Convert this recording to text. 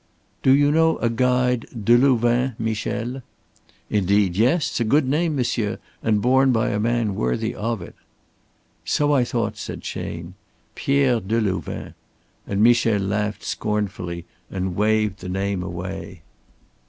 "Do you know a guide Delouvain, Michel?" "Indeed, yes! A good name, monsieur, and borne by a man worthy of it." "So I thought," said Chayne. "Pierre Delouvain," and Michel laughed scornfully and waved the name away.